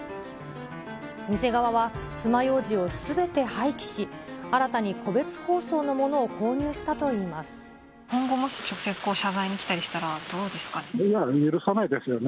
店側はつまようじをすべて廃棄し、新たに個別包装のものを購入した今後、もし直接謝罪に来たとしたらどうですかね。